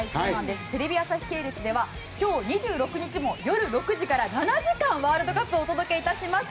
テレビ朝日系列では今日２６日も夜６時から７時間ワールドカップをお届けいたします。